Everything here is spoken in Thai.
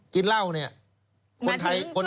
กินเหล้าเนี่ยคนไทย